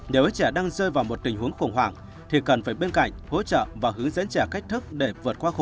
nếu trẻ đang rơi vào một tình huống khủng hoảng thì cần phải bên cạnh hỗ trợ và hỗ trợ